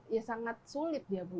ya sangat sulit dia bu